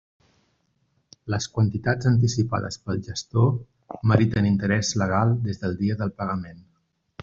Les quantitats anticipades pel gestor meriten interès legal des del dia del pagament.